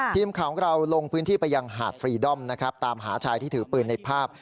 ทีมข่าวของเราลงพื้นที่ไปยังหาดฟรีดอมนะครับตามหาชายที่ถือปืนในภาพ